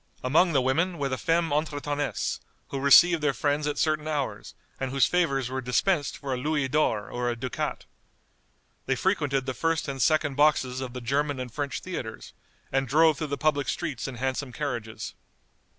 Among the women were the femmes entretenness, who received their friends at certain hours, and whose favors were dispensed for a Louis d'or or a ducat. They frequented the first and second boxes of the German and French theatres, and drove through the public streets in handsome carriages.